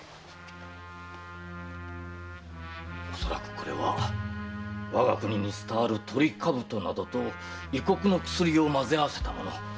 恐らくこれは我が国に伝わるトリカブトなどと異国の薬を混ぜ合わせたもの。